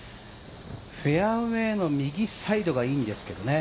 フェアウェイの右サイドがいいんですけどね。